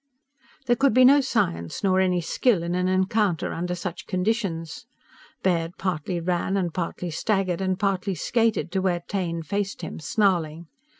There could be no science nor any skill in an encounter under such conditions. Baird partly ran and partly staggered and partly skated to where Taine faced him, snarling.